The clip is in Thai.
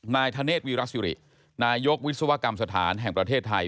นายธเนธวีรสิรินายกวิศวกรรมสถานแห่งประเทศไทย